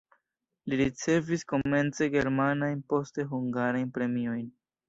Li ricevis komence germanajn, poste hungarajn premiojn.